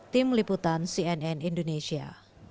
tim liputan cnn indonesia